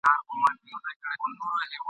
هم غل هم غمخور ..